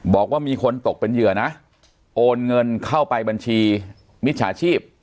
บอกว่ามีคนตกเป็นเหยื่อนะโอนเงินเข้าไปบัญชีมิจฉาชีพ